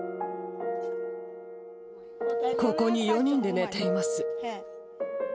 ここに４人で寝ています。